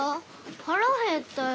腹減ったよ。